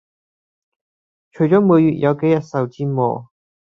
除了每月有幾天受折磨